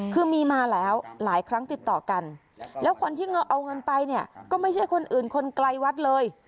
คือมีมาแล้วหลายครั้งติดต่อกันแล้วคนที่เอาเงินไปเนี่ยก็ไม่ใช่คนอื่นคนไกลวัดเลย